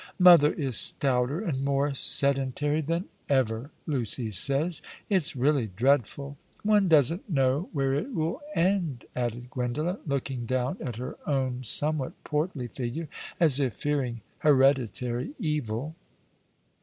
Mother is stouter and more sedentary than ever, Lucy says. It's really dreadful. One doesn't know where it will end," added Gwendolen, looking down at her own somewhat portly figure, as if fearing hereditary evil.